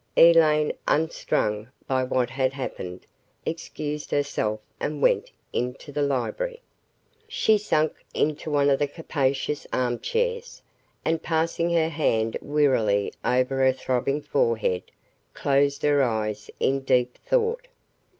Elaine, unstrung by what had happened, excused herself and went into the library. She sank into one of the capacious arm chairs, and passing her hand wearily over her throbbing forehead, closed her eyes in deep thought.